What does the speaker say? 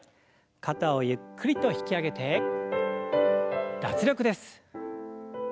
肩をゆっくりと引き上げて脱力です。